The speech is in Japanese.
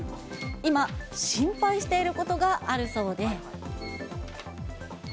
今、心配していることがあるそうで。